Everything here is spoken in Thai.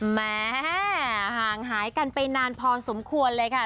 แหมห่างหายกันไปนานพอสมควรเลยค่ะ